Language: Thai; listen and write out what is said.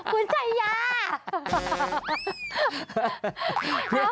คุณจัยยา